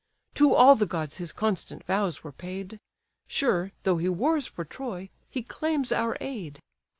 To all the gods his constant vows were paid; Sure, though he wars for Troy, he claims our aid.